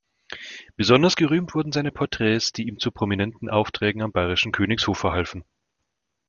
Besonders gerühmt wurden seine Porträts, die ihm zu prominenten Aufträgen am bayrischen Königshof verhalfen.